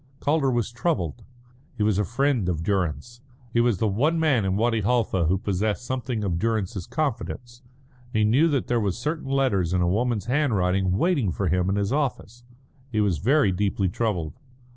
Calder was troubled. He was a friend of Durrance; he was the one man in Wadi Halfa who possessed something of Durrance's confidence; he knew that there were certain letters in a woman's handwriting waiting for him in his office. He was very deeply troubled.